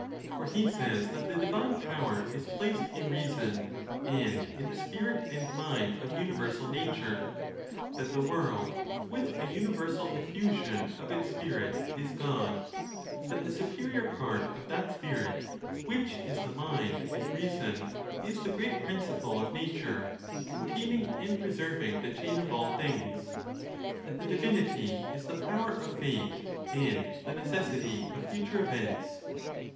For he says that the divine power is placed in reason, and in the spirit and mind of universal nature ; that the world, with a universal effusion of its spirit, is God ; that the superior part of that spirit, which is the mind and reason, is the great principle of nature, containing and pre serving the chain of all things ; that the divinity is the "power of fate, and the necessity of future events.